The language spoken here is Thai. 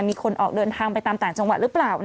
มีคนออกเดินทางไปตามต่างจังหวัดหรือเปล่า